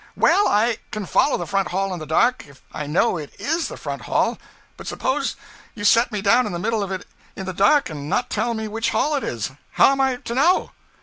'Well, I can follow the front hall in the dark if I know it is the front hall; but suppose you set me down in the middle of it in the dark and not tell me which hall it is; how am I to know?'